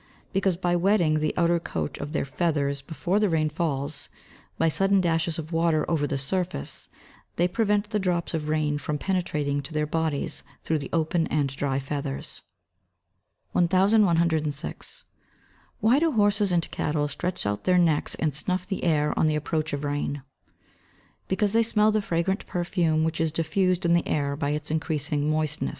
_ Because by wetting the outer coat of their feathers before the rain falls, by sudden dashes of water over the surface, they prevent the drops of rain from penetrating to their bodies through the open and dry feathers. 1106. Why do horses and cattle stretch out their necks and snuff the air on the approach of rain? Because they smell the fragrant perfume which is diffused in the air by its increasing moistness.